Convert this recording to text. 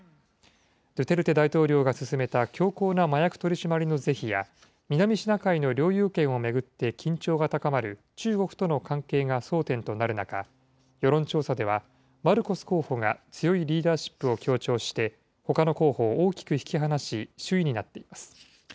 ドゥテルテ大統領が進めた強硬な麻薬取締りの是非や、南シナ海の領有権を巡って緊張が高まる中国との関係が争点となる中、世論調査では、マルコス候補が強いリーダーシップを強調して、ほかの候補を大きく引き離し、首位になっています。